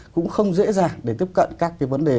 cũng không dễ dàng để tiếp cận các cái vấn đề